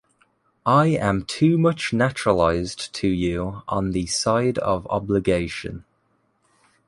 I am too much naturalized to you on the side of obligation.